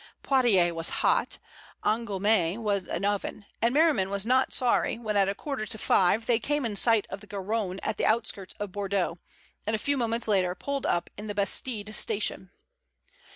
Poitiers was hot, Angouleme an oven, and Merriman was not sorry when at a quarter to five they came in sight of the Garonne at the outskirts of Bordeaux and a few moments later pulled up in the Bastide Station.